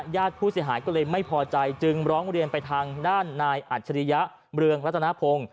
ญาติผู้เสียหายก็เลยไม่พอใจจึงร้องเรียนไปทางด้านนายอัจฉริยะเมืองรัตนพงศ์